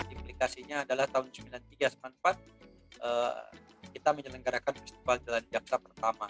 aplikasinya adalah tahun seribu sembilan ratus sembilan puluh tiga seribu sembilan ratus sembilan puluh empat kita menyelenggarakan peristiwa jalan jaksa pertama